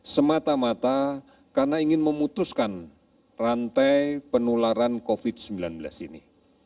semata mata karena ingin memutuskan rantai penularan covid sembilan belas ini